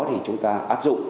thì chúng ta áp dụng